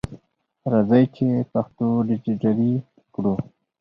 راځئ چې پښتو ډیجټالي کړو!